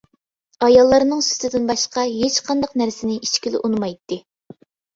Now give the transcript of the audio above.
ئاياللارنىڭ سۈتىدىن باشقا ھېچقانداق نەرسىنى ئىچكىلى ئۇنىمايتتى.